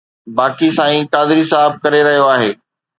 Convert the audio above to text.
باقي سائين قادري صاحب ڪري رهيو آهي.